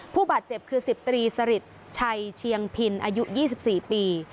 ผู้บาดเจ็บคือ๑๐ตรีสริทชัยเชียงพินอายุ๒๔ปี